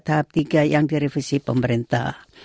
tahap tiga yang direvisi pemerintah